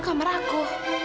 ini kamar temanmu